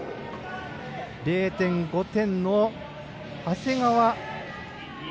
０．５点の長谷川。